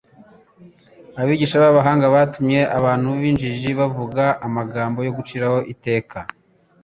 Abigisha b'abahanga batumye abantu b'injiji bavuga amagambo yo guciraho iteka